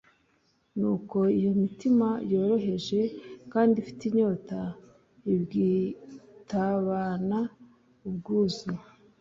nuko iyo mitima yoroheje kandi ifite inyota ibwitabana ubwuzu.